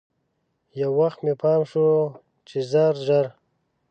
یو وخت مې پام شو چې ژر ژر.